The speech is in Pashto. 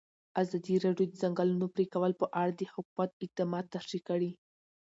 ازادي راډیو د د ځنګلونو پرېکول په اړه د حکومت اقدامات تشریح کړي.